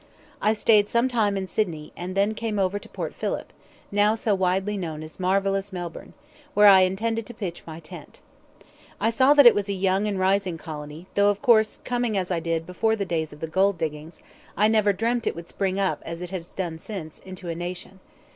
I stayed some time in Sydney, and then came over to Port Phillip, now so widely known as Marvellous Melbourne, where I intended to pitch my tent. I saw that it was a young and rising colony, though, of course, coming as I did, before the days of the gold diggings, I never dreamt it would spring up, as it has done since, into a nation.